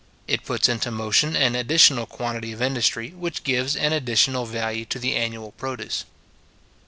It puts into motion an additional quantity of industry, which gives an additional value to the annual produce.